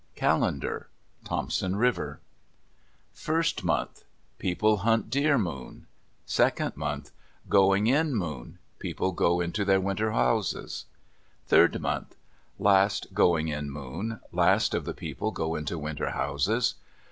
CALENDAR Thompson River First month.—People hunt deer moon. Second month.—"Going in" moon. People go into their winter houses. Third month.—Last "going in" moon. Last of the people go into winter houses.